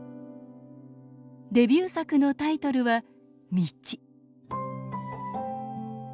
デビュー作のタイトルは「みち」。